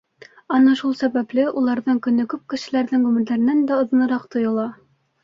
Ана шул сәбәпле, уларҙың көнө күп кешеләрҙең ғүмерҙәренән дә оҙонораҡ тойола.